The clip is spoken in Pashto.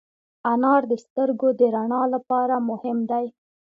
انار د سترګو د رڼا لپاره مهم دی.